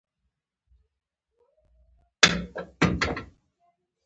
د اوسني انسان علم بدل شوی دی.